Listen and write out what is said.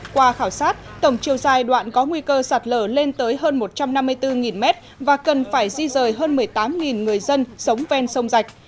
qua khảo sát tổng chiều dài đoạn có nguy cơ sạt lở lên tới hơn một trăm năm mươi bốn mét và cần phải di rời hơn một mươi tám người dân sống ven sông rạch